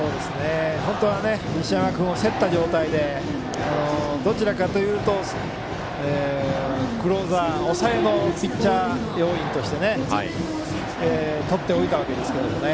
本当は西山君を競った状態で、どちらかというとクローザー抑えのピッチャー要員として取っておいたわけですけどね。